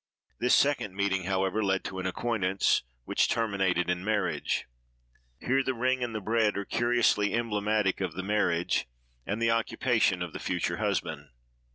This second meeting, however, led to an acquaintance, which terminated in marriage. Here the ring and the bread are curiously emblematic of the marriage, and the occupation of the future husband.